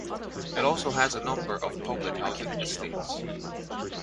It also has a number of public housing estates.